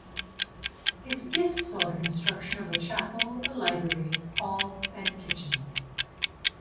His gifts saw the construction of a chapel, a library, hall and kitchen.